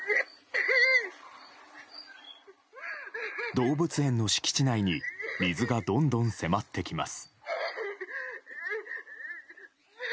動物園の敷地内に水がどんどん迫ってきます。